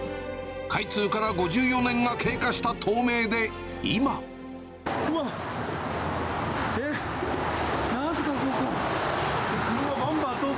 開通から５４年が経過した東名でうわっ、えっ？